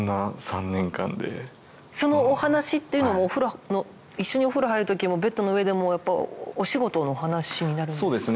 そのお話っていうのも一緒にお風呂入るときもベッドの上でもやっぱお仕事の話になるんですか？